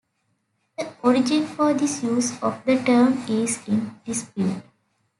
The origin for this use of the term is in dispute.